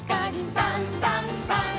「さんさんさん」